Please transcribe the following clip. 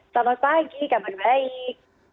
selamat pagi kabar baik